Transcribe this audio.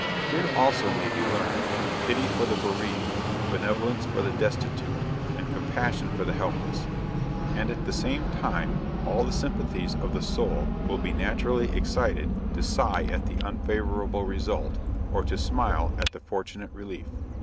Here also may be learned, pity for the bereaved, benevolence for the destitute, and compassion for the helpless; and at the same time all the sympathies of the soul will be naturally excited to sigh at the unfavorable result, or to smile at the fortunate relief.